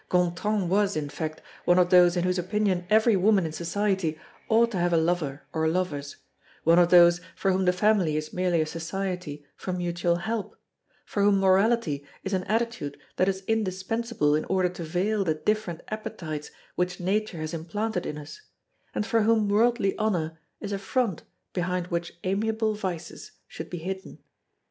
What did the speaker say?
Gontran was, in fact, one of those in whose opinion every woman in society ought to have a lover or lovers, one of those for whom the family is merely a society of mutual help, for whom morality is an attitude that is indispensable in order to veil the different appetites which nature has implanted in us, and for whom worldly honor is a front behind which amiable vices should be hidden.